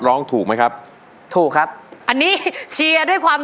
ร้องได้ให้ล้าน